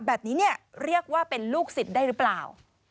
แบบนี้เนี่ยเรียกว่าเป็นลูกศิษย์ได้หรือเปล่า